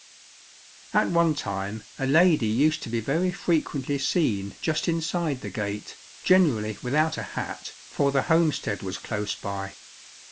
At one time a lady used to be very frequently seen just inside the gate, generally without a hat, for the homestead was close by.